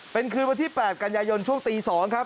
เป็นคืนวันที่๘กันยายนช่วงตี๒ครับ